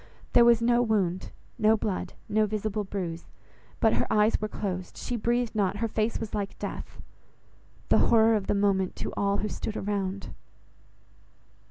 There was no wound, no blood, no visible bruise; but her eyes were closed, she breathed not, her face was like death. The horror of the moment to all who stood around!